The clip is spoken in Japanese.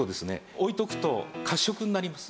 置いておくと褐色になります。